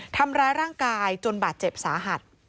ทำร้ายร่างกายจนบาดเจ็บสาหัส